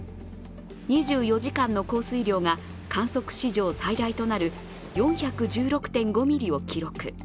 ２４時間の降水量が観測史上最大となる４１６．５ミリを記録。